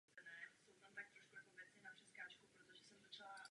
Krk je krátký a silný.